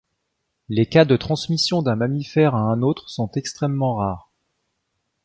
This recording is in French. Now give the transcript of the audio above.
Les cas de transmission d'un mammifère à un autre sont extrêmement rares.